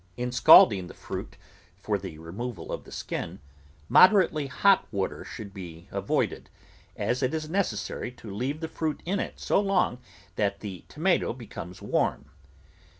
In scald ing the fruit for the removal of the skin, moderate ly hot water should be avoided, as it is necessary to leave the fruit in it so long that the tomato be comes warm.